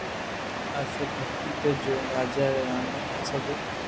آ سب حقيقت جوئين راجا ري راڻيو آ سب